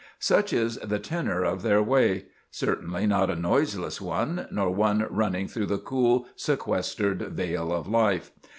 _ Such is the tenor of their way; certainly not a noiseless one, nor one running through the cool, sequestered vale of life.